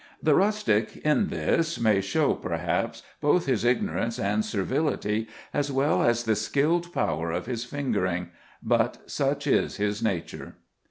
The rustic in this may show, perhaps, both his ignorance and servility, as well as the skilled power of his fingering, but such is his nature.